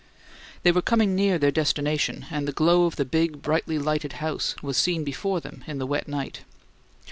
They were coming near their destination, and the glow of the big, brightly lighted house was seen before them in the wet night.